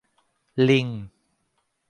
ลิง !